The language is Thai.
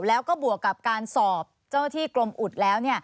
แล้วก็บวกกับการสอบเจ้าหน้าที่กรมอุดแล้ว